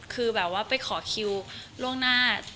คือแบบว่าไปขอคิวล่วงหน้า